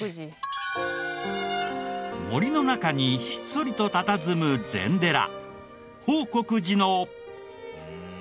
森の中にひっそりとたたずむ禅寺報国寺の。